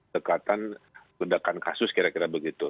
dekatan ledakan kasus kira kira begitu